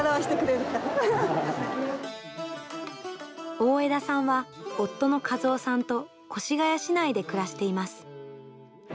大條さんは、夫の一夫さんと越谷市内で暮らしています。